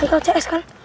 itu tuh haikal cs kan